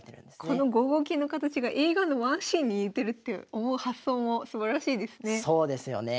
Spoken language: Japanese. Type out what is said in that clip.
この５五金の形が映画のワンシーンに似てるって思う発想もすばらしいですよね。